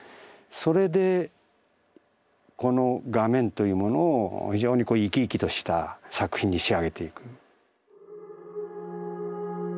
それでこの画面というものを非常に生き生きとした作品に仕上げていく。